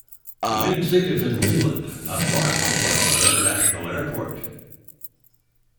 The main seat is in Liland, not far from Flesland International Airport.